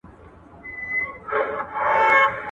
اورۍ او نوک نه سره جلا کېږي.